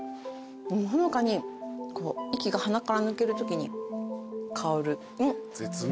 ほのかにこう息が鼻から抜けるときに香る。